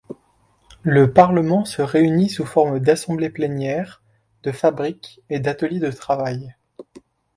Le Parlement se réunit sous forme d’assemblées plénières, de fabriques et d’ateliers de travail.